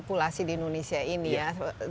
populasi di indonesia ini ya